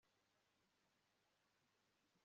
kigali kuwa lisiti ikaba iri